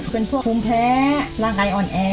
เป็นพวกภูมิแพ้ร่างกายอ่อนแอ